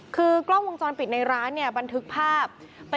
คือกล้องวงจรปิดคือกล้องต่อในร้านนี้บันทึกภาพ